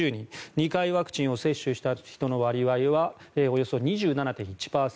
２回ワクチンを接種した人の割合はおよそ２７．１％。